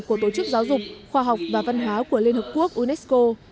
của tổ chức giáo dục khoa học và văn hóa của liên hợp quốc unesco